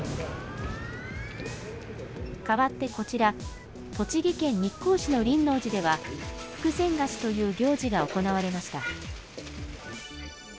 変わってこちら、栃木県日光市の輪王寺では、福銭貸しという行事が行われました。